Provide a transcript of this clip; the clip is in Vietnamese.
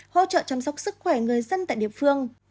hỗ trợ chăm sóc sức khỏe người dân tại địa phương